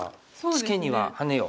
「ツケにはハネよ」。